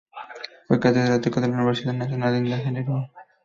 Fue catedrático en la Universidad Nacional de Ingeniería.